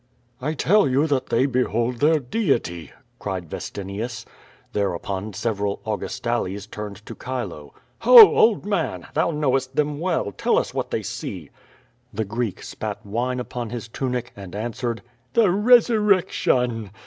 "I tell you that they behold their deity!" cried Vcstinius. Thereupon several Augustales turned to Chilo. "Ho, old man! thou knowest them well; tell us what they see." The Greek spat wine upon his tunic, and answered: "The resurrection."